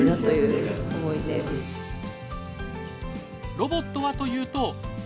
ロボットはというと。